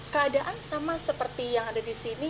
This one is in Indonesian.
keadaan sama seperti yang ada di sini